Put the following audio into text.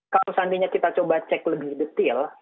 kalau seandainya kita coba cek lebih detail